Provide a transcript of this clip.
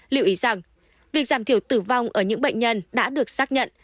lưu ý rằng việc giảm thiểu tử vong ở những bệnh nhân đã được xác nhận